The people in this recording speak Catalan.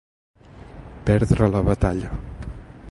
Perdre la batalla.